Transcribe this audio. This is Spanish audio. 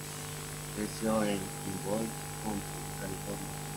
Creció en Humboldt Country, California.